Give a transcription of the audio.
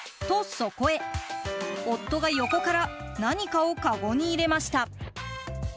と、そこへ夫が横から何かをかごに入れました。